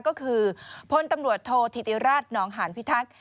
ก็คือพลตำรวจโทษธิติราชนองหานพิทักษ์